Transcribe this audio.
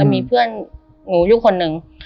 มีเพื่อนหนูยุคคนนึง